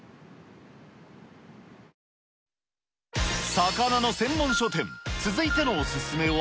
魚の専門書店、続いてのお薦めは。